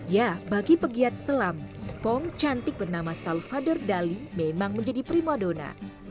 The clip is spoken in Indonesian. ya bagi pegiat selam spong cantik bernama salvador dali memang menjadi prima dona